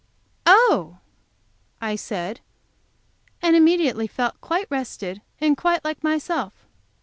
"Oh!" I said, and immediately felt quite rested, and quite like myself.